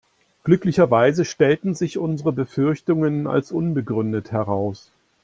Glücklicherweise stellten sich unsere Befürchtungen als unbegründet heraus.